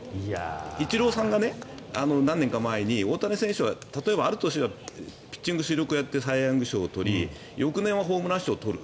イチローさんが何年か前に大谷選手が、ある年はピッチングで最優秀賞のサイ・ヤング賞を取り翌年はホームラン賞を取る。